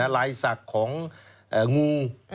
ลายศักดิ์ของงู